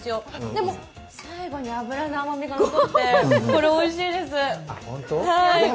でも、最後に脂の甘みが残っておいしいんですよ。